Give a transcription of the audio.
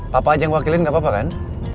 bapak aja yang wakilin gak apa apa kan